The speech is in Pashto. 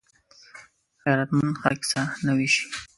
غیرتمند خلک سره نه وېشي